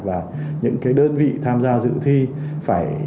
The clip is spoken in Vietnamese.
và những cái đơn vị tham gia dự thi phải